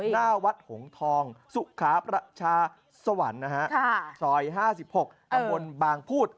หน้าวัดหงทองสุขาประชาสวรรค์นะฮะซอย๕๖ตำบลบางพูด